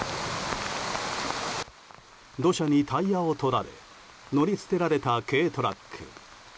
土砂にタイヤをとられ乗り捨てられた軽トラック。